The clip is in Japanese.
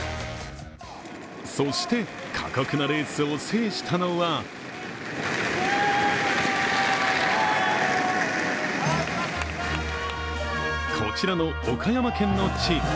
そして過酷なレースを制したのはこちらの岡山県のチーム。